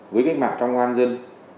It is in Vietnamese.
với cách mạng trong công an dân